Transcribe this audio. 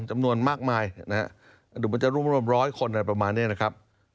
จำนวนมากมายดูมันจะรุ่นรวมร้อยคนอะไรประมาณนี้นะครับ